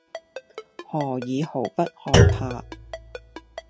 何以毫不害怕；